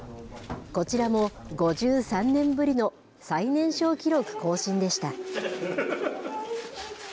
こちらも、５３年ぶりの最年少記録更新でした。